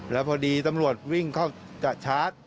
แล้วพอดีตำรวจวิ่งเข้าจะชาร์จ